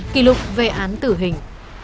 kỷ lục về án tử hình